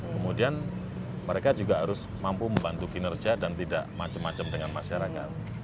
kemudian mereka juga harus mampu membantu kinerja dan tidak macam macam dengan masyarakat